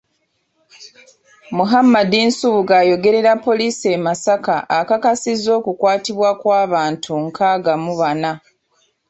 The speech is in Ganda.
Muhammad Nsubuga ayogerera poliisi e Masaka akakasizza okukwatibwa kw'abantu nkaaga mu bana.